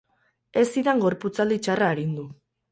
Ez zidan gorputzaldi txarra arindu.